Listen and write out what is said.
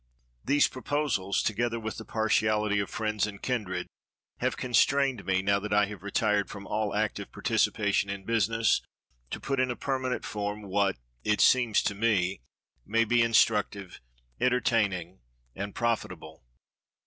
These proposals, together with the partiality of friends and kindred, have constrained me, now that I have retired from all active participation in business, to put in a permanent form what, it seems to me, may be instructive, entertaining and profitable.